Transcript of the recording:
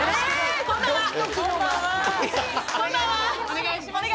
お願いします